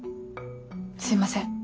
すいません。